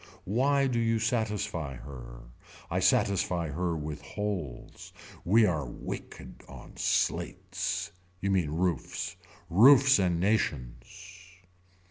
Why do you satisfy her. I satisfy her with holes. We were wicked on slates. You mean roofs. Roofs and nations.